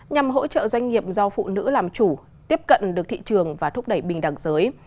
nhằm hỗ trợ doanh nghiệp do phụ nữ làm chủ tiếp cận được thị trường và thúc đẩy bình đẳng giới